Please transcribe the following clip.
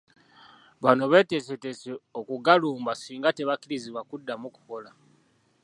Bano bateeseteese okugalumba singa tebakkirizibwa kuddamu kukola.